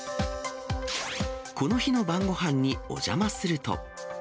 この日の晩ごはんにお邪魔すると。